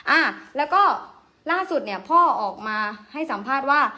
อ่าแล้วก็ล่าสุดเนี่ยพ่อออกมาให้สัมภาษณ์ว่า